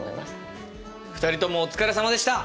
２人ともお疲れさまでした！